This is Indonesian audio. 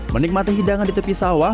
menikmati hidangan di tepi sawah